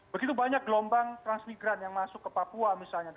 begitu banyak gelombang transmigran yang masuk ke papua misalnya